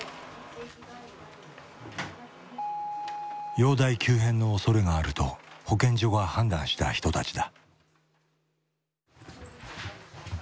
容体急変のおそれがあると保健所が判断した人たちだ。